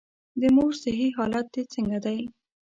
د مور صحي حالت دي څنګه دی؟